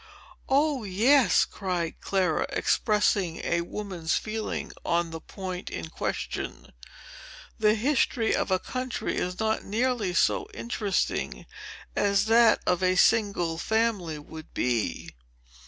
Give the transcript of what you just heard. "O, yes!" cried Clara, expressing a woman's feeling on the point in question, "The history of a country is not nearly so interesting as that of a single family would be."